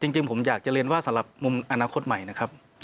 จริงผมอยากจะเรียนว่าสำหรับมุมอนาคตใหม่นะครับ